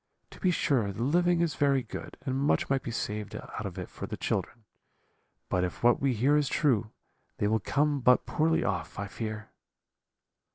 To be sure, the living is very good, and much might be saved out of it for the children, but if what we hear is true they will come but poorly off, I fear.'